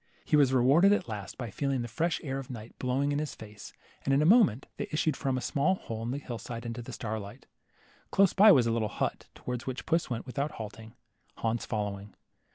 He was rewarded at last by feeling the fresh air of night blowing in his face, and in a moment they issued from a small hole in the hill side into the starlight. Close by was a little hut, towards which puss went without halting, Hans fol lowing.